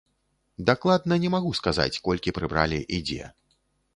Дакладна не магу сказаць, колькі прыбралі і дзе.